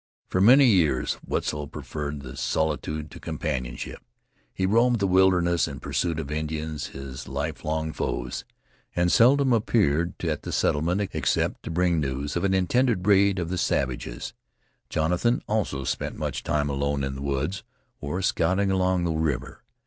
For many years Wetzel preferred solitude to companionship; he roamed the wilderness in pursuit of Indians, his life long foes, and seldom appeared at the settlement except to bring news of an intended raid of the savages. Jonathan also spent much time alone in the woods, or scouting along the river.